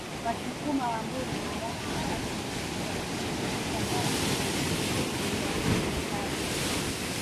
Wasukuma Wambulu na Warangi ni baadhi ya walioathirika na hofu dhidi ya Wamasai